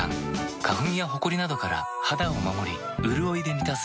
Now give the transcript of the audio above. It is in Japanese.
花粉やほこりなどから肌を守りうるおいで満たす。